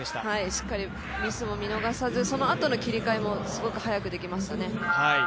しっかりミスも見逃さず、そのあとの切り替えもすごく早くできましたね。